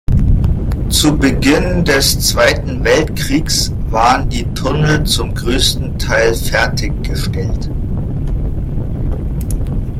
Zu Beginn des Zweiten Weltkriegs waren die Tunnel zum größten Teil fertiggestellt.